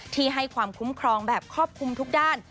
ที่ให้ความคุ้มครองแบบครอบคลุมทุกด้าน